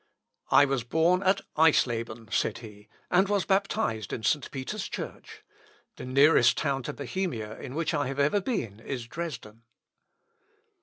"I was born at Eisleben," said he, "and was baptised in St. Peter's church. The nearest town to Bohemia in which I have ever been, is Dresden."